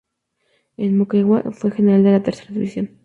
En Moquegua fue General de la Tercera División.